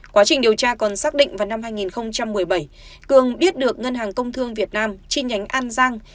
quá trình điều tra còn xác định vào năm hai nghìn một mươi bảy cường biết được ngân hàng công thương việt nam chi nhánh an giang